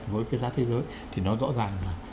với cái giá thế giới thì nó rõ ràng là